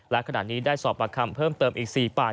และขณะนี้ได้สอบประคำเพิ่มเติมอีก๔ปาก